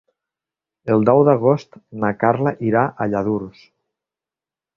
El deu d'agost na Carla irà a Lladurs.